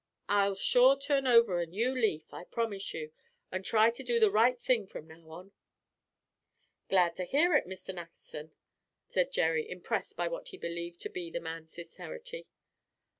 I'll sure turn over a new leaf, I promise you, and try to do the right thing from now on." "Glad to hear it, Mr. Nackerson," said Jerry, impressed by what he believed to be the man's sincerity.